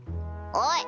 おい！